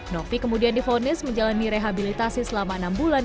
novi kemudian difonis menjalani rehabilitasi selama enam bulan